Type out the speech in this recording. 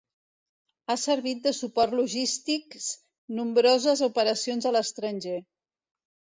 Ha servit de suport logístic s nombroses operacions a l'estranger.